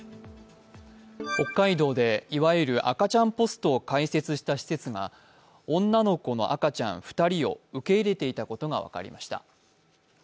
北海道でいわゆる赤ちゃんポストを開設した施設が女の子の赤ちゃん２人を受け入れていたことが分かりました。